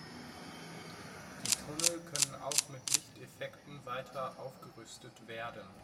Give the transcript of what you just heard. Die Tunnel können auch mit Lichteffekten weiter aufgerüstet werden.